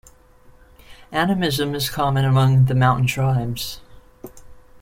Animism is common among the mountain tribes.